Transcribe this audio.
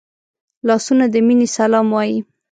لاسونه د مینې سلام وايي